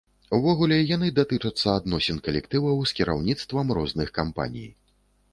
Увогуле, яны датычацца адносін калектываў з кіраўніцтвам розных кампаній.